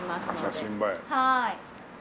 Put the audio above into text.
はい。